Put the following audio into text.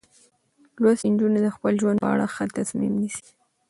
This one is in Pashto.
لوستې نجونې د خپل ژوند په اړه ښه تصمیم نیسي.